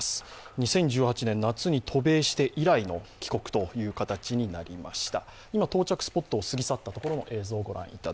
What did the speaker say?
２０１８年夏に渡米して以来の帰国という形になりました。